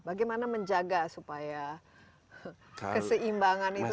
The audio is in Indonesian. bagaimana menjaga supaya keseimbangan itu